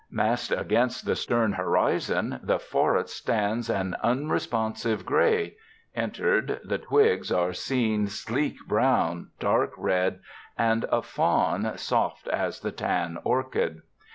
Massed against the stern horizon, the forest stands an unresponsive gray; entered, the twigs are seen sleek brown, dark red, and a fawn soft as the tan orchid.